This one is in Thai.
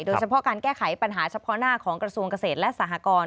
โดยเฉพาะการแก้ไขปัญหาเฉพาะหน้าของกระทรวงเกษตรและสหกร